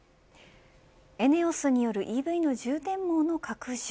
ＥＮＥＯＳによるＥＶの充電網の拡充